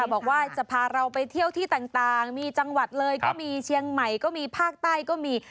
บอกว่าจะพาเราไปเที่ยวที่ต่างมีจังหวัดเลยก็มีเชียงใหม่ก็มีภาคใต้ก็มี